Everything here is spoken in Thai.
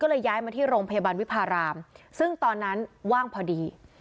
ก็เลยย้ายมาที่โรงพยาบาลวิพารามซึ่งตอนนั้นว่างพอดี